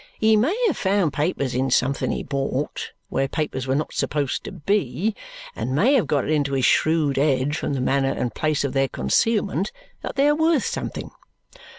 "He may have found papers in something he bought, where papers were not supposed to be, and may have got it into his shrewd head from the manner and place of their concealment that they are worth something."